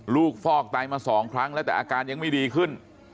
ฟอกไตมา๒ครั้งแล้วแต่อาการยังไม่ดีขึ้น